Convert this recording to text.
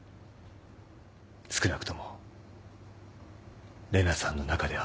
少なくとも玲奈さんの中ではまだ。